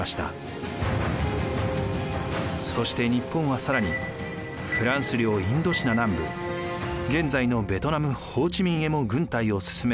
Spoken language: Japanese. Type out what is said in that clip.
そして日本は更にフランス領インドシナ南部現在のベトナム・ホーチミンへも軍隊を進めました。